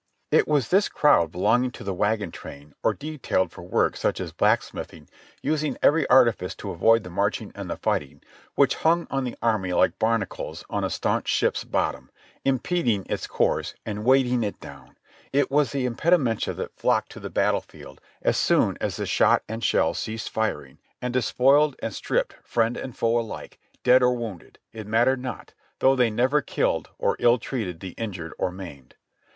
It was this crowd belonging to the wagon train or detailed for work such as blacksmithing, using every artifice to avoid the marching and the fighting, which hung on the army like barnacles on a staunch ship's bottom, impeding its course and weighting it down. It was the impedimenta that flocked to the battle field as soon as the shot and shell ceased firing, and despoiled and 246 JOHNNY REB and BILLY YANK Stripped friend and foe alike, dead or wounded, it mattered not, though they never killed or illtreated the injured or maimed.